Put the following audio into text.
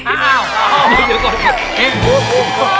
อ้าวอ้าว